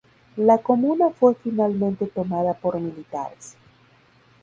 La comuna fue finalmente tomada por militares.